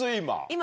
今。